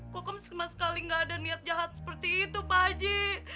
kok sama sekali gak ada niat jahat seperti itu pak haji